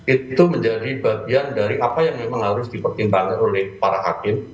itu menjadi bagian dari apa yang memang harus dipertimbangkan oleh para hakim